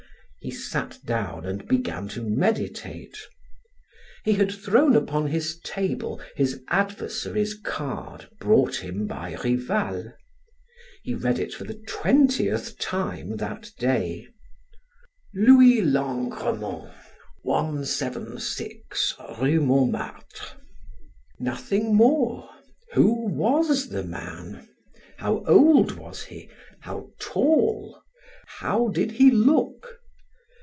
He sat down and began to meditate. He had thrown upon his table his adversary's card brought him by Rival. He read it for the twentieth time that day: "Louis LANGREMONT, 176 Rue Montmartre." Nothing more! Who was the man? How old was he? How tall? How did he look?